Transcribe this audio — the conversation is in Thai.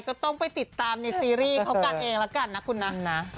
ก็ต้องไปติดตามในซีรีส์เขากันเองแล้วกันนะคุณนะ